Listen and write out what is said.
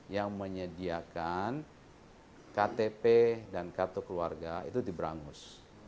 yang menyediakan ktp dan kartu keluarga itu diberangus